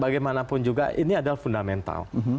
bagaimanapun juga ini adalah fundamental